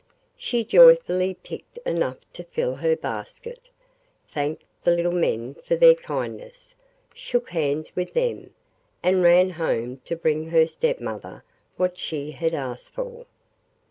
She joyfully picked enough to fill her basket, thanked the little men for their kindness, shook hands with them, and ran home to bring her stepmother what she had asked for.